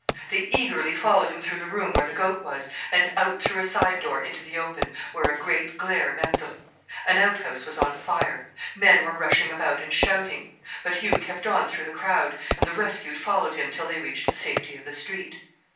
They eagerly followed him through the room where the goat was, and out through a side door into the open, where a great glare met them. An outhouse was on fire. Men were rushing about and shouting; but Hugh kept on through the crowd, and the rescued followed him till they reached the safety of the street.